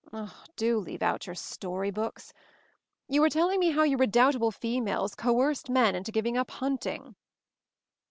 "Do leave out your story books. You were telling me how you redoubtable females coerced men into giving up hunting."